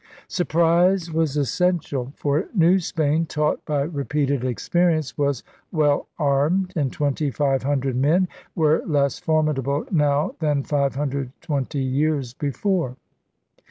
Surprise was essential; for New Spain, taught by repeated experience, was well armed; and twenty five hundred men were less formidable now than five hundred twenty years before.